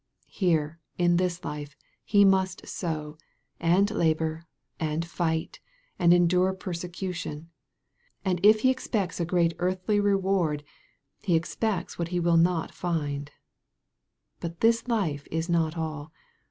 Here, in this life, he must sow, and labor, and fight, and endure per secution ; and if he expects a great earthly reward, he expects what he will not find. B*it this life is not all.